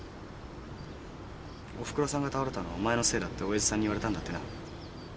オフクロさんが倒れたのはお前のせいだってオヤジさんに言われたんだってな。